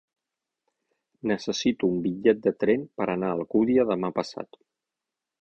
Necessito un bitllet de tren per anar a Alcúdia demà passat.